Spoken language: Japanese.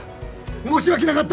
申し訳なかった！